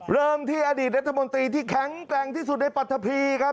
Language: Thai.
เริ่มที่อดีตรัฐมนตรีที่แข็งแกร่งที่สุดในปรัฐพีครับ